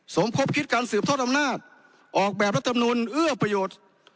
สมคบคิดการสืบทอดอำนาจออกแบบรัฐมนุนเอื้อประโยชน์